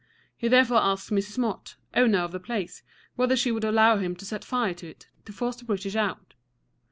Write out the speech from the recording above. He therefore asked Mrs. Motte, owner of the place, whether she would allow him to set fire to it, to force the British out.